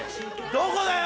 どこだよ！